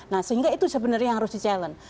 nah sehingga itu sebenarnya yang harus di challenge